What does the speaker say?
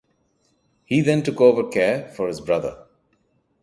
He then took over care for his brother.